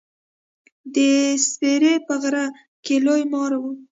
د سپرې په غره کښي لوی مار و.